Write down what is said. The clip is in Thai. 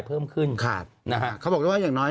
เพิ่มขึ้น